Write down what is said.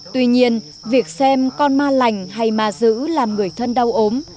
tuy nhiên việc xem con ma lành hay ma giữ làm người thân đau ốm